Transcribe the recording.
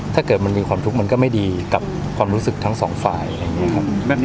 ตอนนี้คิดว่าไม่ค่ะ